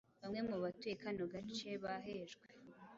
bamwe mu batuye kano gace bahejwe